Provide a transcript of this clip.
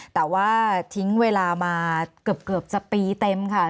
แต่ว่าทิ้งเวลามาเกือบจะปีเต็มค่ะ